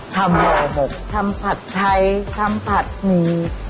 ทำอะไรหมกทำผัดไทยทำผัดหมี่